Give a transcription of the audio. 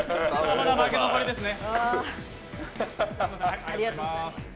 負け残りですね。